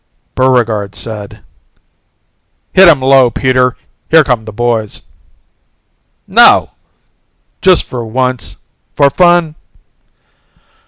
Buregarde said, "Hit him low, Peter. Here come the boys." "No!" "Just once for fun?"